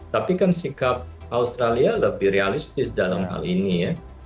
tapi kan sikap australia lebih realistis dalam hal ini ya